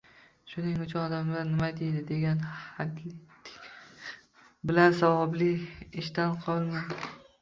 Shuning uchun “Odamlar nima deydi?” degan hadik bilan savobli ishdan qolmang.